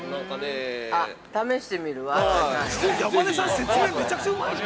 ◆あ、試してみるわ。